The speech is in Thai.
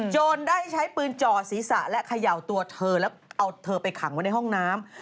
ได้ใช้ปืนจ่อศีรษะและเขย่าตัวเธอแล้วเอาเธอไปขังไว้ในห้องน้ำ